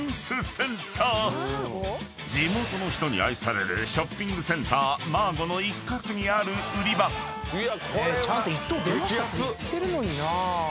［地元の人に愛されるショッピングセンターマーゴの一角にある売り場］ちゃんと１等出ましたって言ってるのにな。